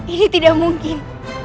ini tidak mungkin